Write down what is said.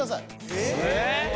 えっ？